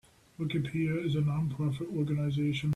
Wikipedia is a non-profit organization.